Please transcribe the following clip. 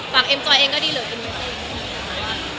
ฝั่งเอ็มจอยเองก็ดีเลยเอ็มจอยเองก็ดี